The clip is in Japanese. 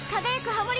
ハモリ